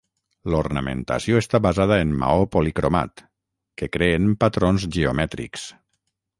L'ornamentació està basada en maó policromat, que creen patrons geomètrics.